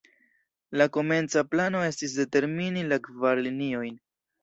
La komenca plano estis determini la kvar liniojn.